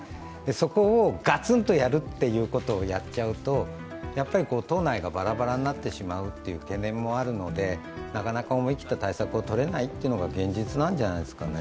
そこをがつんとやるということをやっちゃうと党内がばらばらになってしまう懸念もあるのでなかなか思い切って対策をとれないというのが現実なんじゃないでしょうかね。